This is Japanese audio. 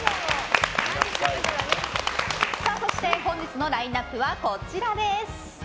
そして本日のラインアップはこちらです。